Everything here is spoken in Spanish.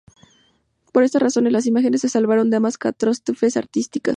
Por estas razones, las imágenes se salvaron de ambas catástrofes artísticas.